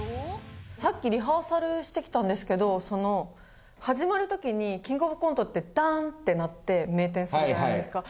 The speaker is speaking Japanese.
さっきリハーサルしてきたんですけどその始まる時にキングオブコントってダーンって鳴って明転するじゃないですか